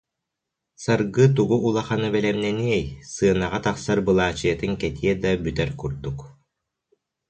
Саргы тугу улаханы бэлэмнэниэй, сценаҕа тахсар былаачыйатын кэтиэ да, бүтэр курдук